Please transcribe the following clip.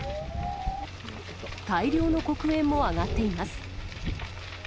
大量の黒煙も上がっています。